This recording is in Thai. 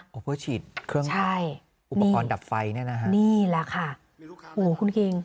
เพื่อฉีดเครื่องอุปกรณ์ดับไฟแน่น่ะค่ะนี่แหละค่ะโอ้คุณกิง